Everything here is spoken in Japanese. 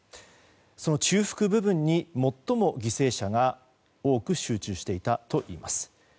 その中腹部分に最も、犠牲者が多く集中していたといいます。